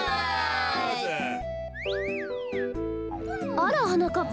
あらはなかっ